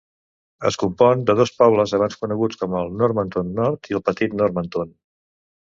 Es compon de dos pobles abans coneguts com a Normanton Nord i el Petit Normanton.